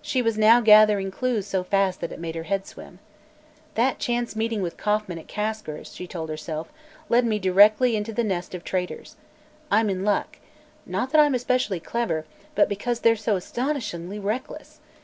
She was now gathering "clues" so fast that it made her head swim. "That chance meeting with Kauffman, at Kasker's," she told herself, "led me directly into the nest of traitors. I'm in luck. Not that I'm especially clever, but because they're so astonishingly reckless.